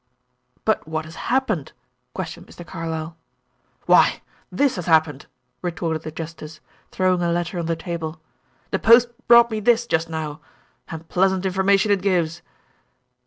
"But what has happened?" questioned Mr. Carlyle. "Why this has happened," retorted the justice, throwing a letter on the table. "The post brought me this, just now and pleasant information it gives."